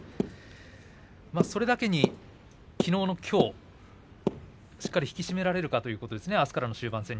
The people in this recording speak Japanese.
それだけにきのうのきょうしっかり引き締められるかということですね。